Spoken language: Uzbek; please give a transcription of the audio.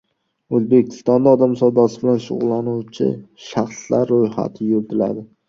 O‘zbekistonda odam savdosi bilan shug‘ullanuvchi shaxslar ro‘yxati yuritiladi